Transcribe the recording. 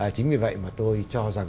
chính vì vậy tôi cho rằng